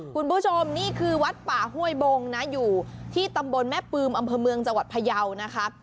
คุณผู้ชมนี่คือวัดป่าห้วยบงนะอยู่ที่ตำบลแม่ปืมอำเภอเมืองจังหวัดพยาวนะคะ